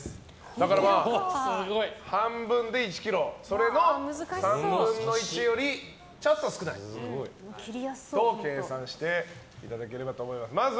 だから半分で１ｋｇそれの３分の１よりちょっと少ないと計算していただければと思います。